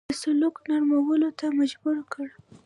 د سلوک نرمولو ته مجبور کړ.